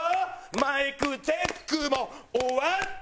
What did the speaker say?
「マイクチェックも終わったし」